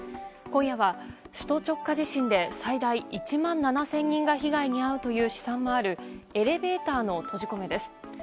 今夜は首都直下地震で最大１万７０００人が被害に遭うという試算もあるエレベーターの閉じ込めです。